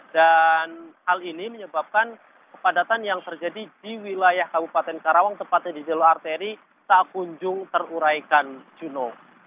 dan hal ini menyebabkan kepadatan yang terjadi di wilayah kabupaten karawang tepatnya di jalur arteri tak kunjung teruraikan juno